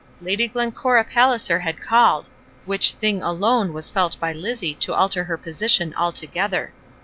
Lady Glencora Palliser had called, which thing alone was felt by Lizzie to alter her position altogether.